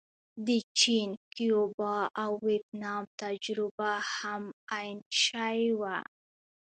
د چین، کیوبا او ویتنام تجربه هم عین شی وه.